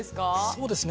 そうですね。